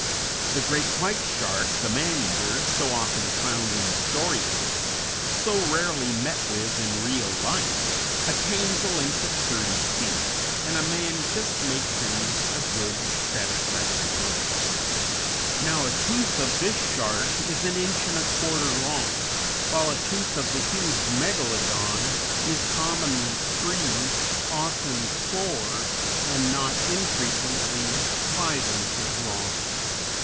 The great White Shark, the man eater, so often found in story books, so rarely met with in real life, attains a length of thirty feet, and a man just makes him a good, satisfactory lunch. Now a tooth of this shark is an inch and a quarter long, while a tooth of the huge Megalodon is commonly three, often four, and not infrequently five inches long.